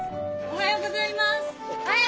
おはようございます！